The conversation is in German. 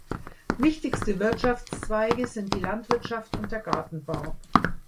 Wichtigste Wirtschaftszweige sind die Landwirtschaft und der Gartenbau.